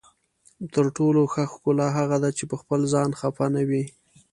تر ټولو ښه ښکلا هغه ده چې پخپل ځان خفه نه وي.